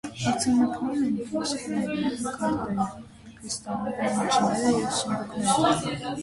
Մրցանակներն են՝ ոսկիները, քարտերը, կրիստալները, էմոջիները և սունդուկները։